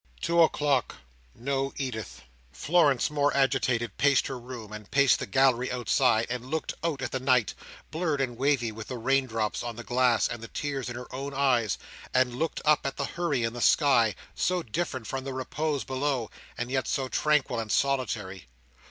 Two o'clock. No Edith! Florence, more agitated, paced her room; and paced the gallery outside; and looked out at the night, blurred and wavy with the raindrops on the glass, and the tears in her own eyes; and looked up at the hurry in the sky, so different from the repose below, and yet so tranquil and solitary.